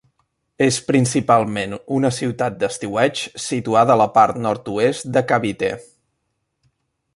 És principalment una ciutat d'estiueig situada a la part nord-oest de Cavite.